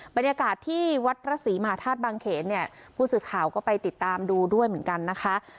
บรรยากาศที่วัดพระศรีมหาธาตุบางเขนเนี่ยผู้สื่อข่าวก็ไปติดตามดูด้วยเหมือนกันนะคะ